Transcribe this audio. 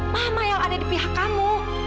mama yang ada di pihak kamu